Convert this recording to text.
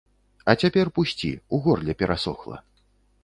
А цяпер пусці, у горле перасохла.